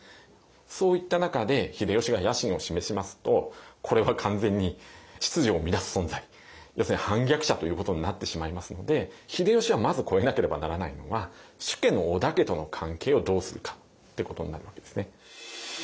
そういった中で秀吉が野心を示しますとこれは完全に秩序を乱す存在要するに反逆者ということになってしまいますので秀吉はまず越えなければならないのは主家の織田家との関係をどうするかってことになるわけですね。